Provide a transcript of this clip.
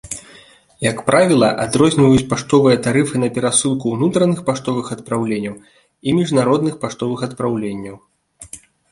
Як правіла, адрозніваюць паштовыя тарыфы на перасылку ўнутраных паштовых адпраўленняў і міжнародных паштовых адпраўленняў.